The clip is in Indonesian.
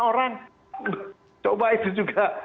orang coba itu juga